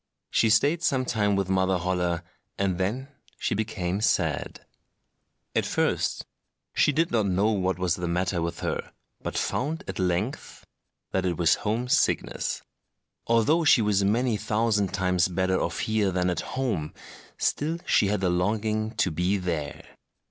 She stayed some time with Mother Holle, and then she became sad. At first she did not know what was the matter with her, but found at length that it was home sickness: although she was many thousand times better off here than at home, still she had a longing to be there.